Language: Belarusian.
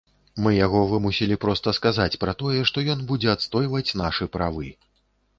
Мы яго вымусілі проста сказаць пра тое, што ён будзе адстойваць нашы правы.